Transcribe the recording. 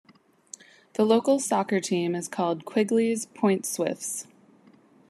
The local Soccer team is called Quigley's Point Swifts.